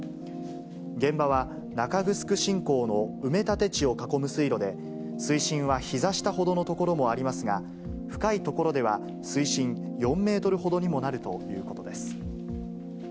現場は、中城新港の埋め立て地を囲む水路で、水深はひざ下ほどの所もありますが、深い所では水深４メートルほどにもなるということです。